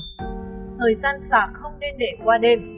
thời gian xạc không nên để qua đêm